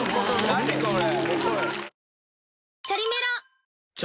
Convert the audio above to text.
何これ。